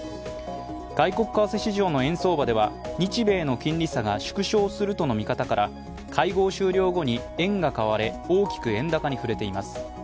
外国為替市場の円相場では、日米の金利差が縮小するとの見方から会合終了後に円が買われ大きく円高に振れています。